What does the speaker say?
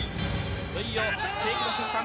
「いよいよ世紀の瞬間。